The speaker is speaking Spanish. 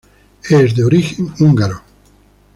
Es de origen húngaro.